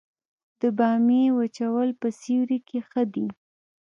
د بامیې وچول په سیوري کې ښه دي؟